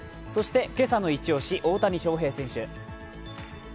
今朝のイチ押し、大谷翔平選手。